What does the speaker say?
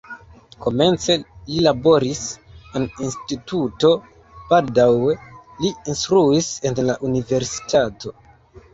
Komence li laboris en instituto, baldaŭe li instruis en la universitato.